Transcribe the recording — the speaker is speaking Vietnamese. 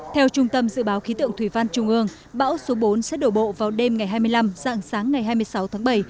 theo trung tâm dự báo khí tượng thủy văn trung ương bão số bốn sẽ đổ bộ vào đêm ngày hai mươi năm dạng sáng ngày hai mươi sáu tháng bảy